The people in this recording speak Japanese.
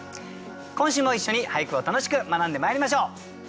今週も一緒に俳句を楽しく学んでまいりましょう。